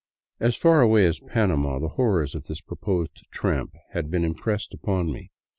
As far away as Panama the horrors of this proposed tramp had been impressed upon me.